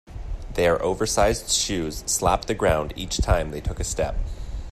Their oversized shoes slapped the ground each time they took a step.